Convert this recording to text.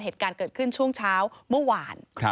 เหตุการณ์เกิดขึ้นช่วงเช้าเมื่อวาน